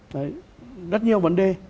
đấy rất nhiều vấn đề